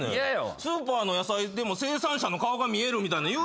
スーパーの野菜でも生産者の顔が見えるみたいのいうやんけ。